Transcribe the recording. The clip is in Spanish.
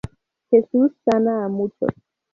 Jesús sana a muchos.